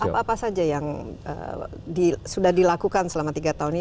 apa apa saja yang sudah dilakukan selama tiga tahun ini